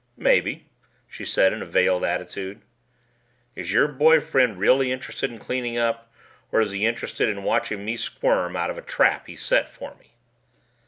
"Maybe," she said in a veiled attitude. "Is your boy friend really interested in cleaning up, or is he interested in watching me squirm out of a trap he set for me?"